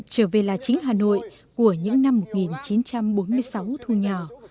trở về là chính hà nội của những năm một nghìn chín trăm bốn mươi sáu thu nhỏ